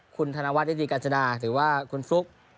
คุณธนวัฒนิติกาญจนาหรือว่าคุณฟลุ๊ก